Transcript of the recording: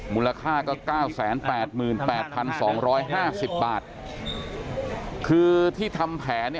มูลค่าก็เก้าแสนแปดหมื่นแปดพันสองร้อยห้าสิบบาทคือที่ทำแผนเนี่ย